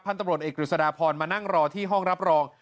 ตำรวจเอกกฤษฎาพรมานั่งรอที่ห้องรับรอง